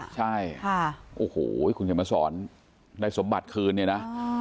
ใช่คุณจะมาสอนได้สมบัติคืนนี่นะ